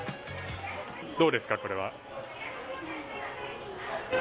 どうですか、これは？